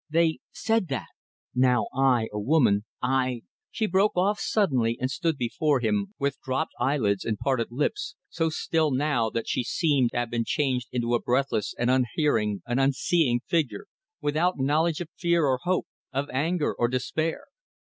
They said ... that. Now I, a woman, I ..." She broke off suddenly and stood before him with dropped eyelids and parted lips, so still now that she seemed to have been changed into a breathless, an unhearing, an unseeing figure, without knowledge of fear or hope, of anger or despair.